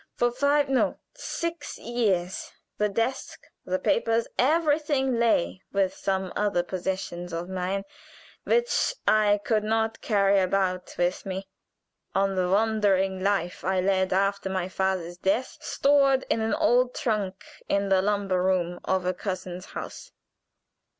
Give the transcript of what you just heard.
For five no, six years, the desk, the papers, everything lay with some other possessions of mine which I could not carry about with me on the wandering life I led after my father's death stored in an old trunk in the lumber room of a cousin's house.